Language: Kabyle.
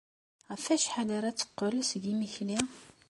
Ɣef wacḥal ara d-teqqel seg yimekli?